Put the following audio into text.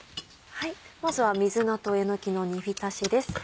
まずは水菜とえのきの煮びたしです